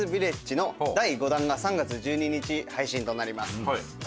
’ｓＶｉｌｌａｇｅの第５弾が３月１２日配信となります。